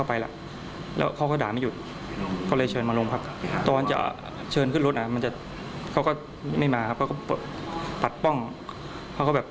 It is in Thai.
ประหลาดขอโทษครับครับ